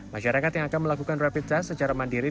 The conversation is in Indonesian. masyarakat yang akan melakukan rapid test secara mandiri